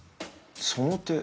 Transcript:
その手。